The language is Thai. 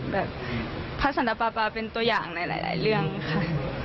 แบบพระสันตปาปาเป็นตัวอย่างในหลายเรื่องค่ะ